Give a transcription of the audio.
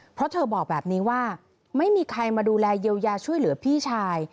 เพราะเธอบอกแบบนี้ว่าไม่มีใครมาดูแลเยียวยาช่วยเหลือพี่ชาย